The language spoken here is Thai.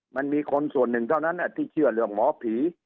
มันมีคนส่วนหนึ่งเท่านั้นที่เชื่อเรื่องหมอผี